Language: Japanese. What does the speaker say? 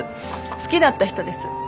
好きだった人です。